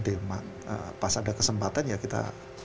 delman pas ada kesempatan ya kita